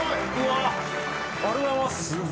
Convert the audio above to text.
ありがとうございます。